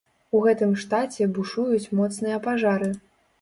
У гэтым штаце бушуюць моцныя пажары.